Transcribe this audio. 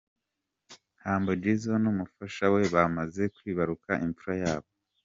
Humble Jizzo n'umufasha we bamaze kwibaruka imfura yabo.